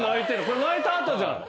これ泣いた後じゃん。